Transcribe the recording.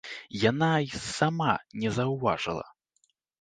Яна й сама не заўважыла.